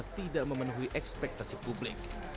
tidak memenuhi ekspektasi publik